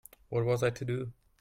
What was I to do?